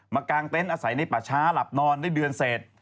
กลางเต็นต์อาศัยในป่าช้าหลับนอนได้เดือนเสร็จ